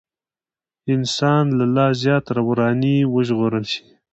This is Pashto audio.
انسان له لا زيات وراني وژغورل شي.